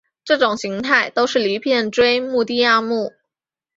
这种形态都是离片锥目的亚目。